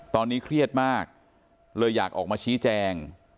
ตอนนี้เครียดมากเลยอยากออกมาชี้แจง